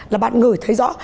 là bạn ngửi thấy rõ